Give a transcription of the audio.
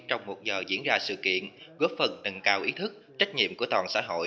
trong một giờ diễn ra sự kiện góp phần nâng cao ý thức trách nhiệm của toàn xã hội